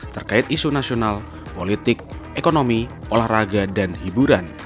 terkait isu nasional politik ekonomi olahraga dan hiburan